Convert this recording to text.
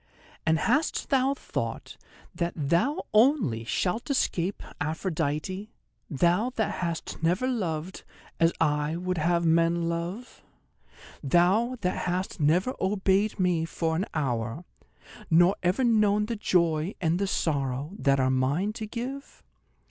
And hast thou thought that thou only shalt escape Aphrodite? Thou that hast never loved as I would have men love; thou that hast never obeyed me for an hour, nor ever known the joy and the sorrow that are mine to give?